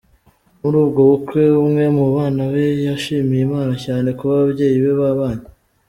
Muri ubwo bukwe, umwe mu bana be yashimiye Imana cyane kuba ababyeyi be babanye.